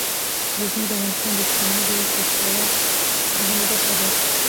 غزني د افغانستان د اجتماعي جوړښت یوه خورا مهمه برخه ده.